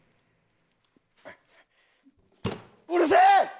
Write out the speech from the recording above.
うるせえ！